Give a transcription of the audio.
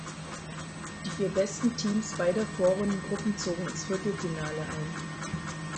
Die vier besten Teams beider Vorrundengruppen zogen ins Viertelfinale ein.